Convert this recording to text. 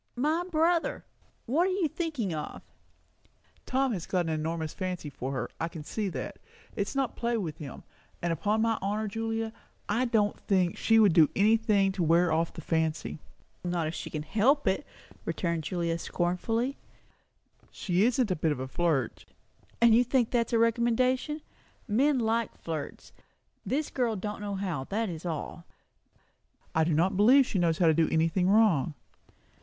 My brother? What are you thinking of?" "Tom has got an enormous fancy for her; I can see that. It's not play with him. And upon my honour, Julia, I do not think she would do any thing to wear off the fancy." "Not if she could help it!" returned Julia scornfully. "She isn't a bit of a flirt." "You think that is a recommendation? Men like flirts. This girl don't know how, that is all." "I do not believe she knows how to do anything wrong."